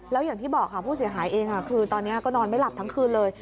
แล้วอย่างที่บอกค่ะผู้เสียหายเองคือตอนนี้ก็นอนไม่หลับทั้งคืนเลย